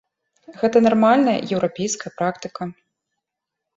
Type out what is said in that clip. Гэта нармальная еўрапейская практыка.